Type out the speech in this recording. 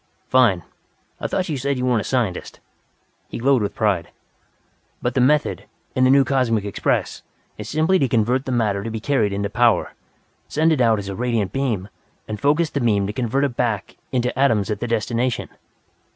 "Fine! I thought you said you weren't a scientist." He glowed with pride. "But the method, in the new Cosmic Express, is simply to convert the matter to be carried into power, send it out as a radiant beam and focus the beam to convert it back into atoms at the destination."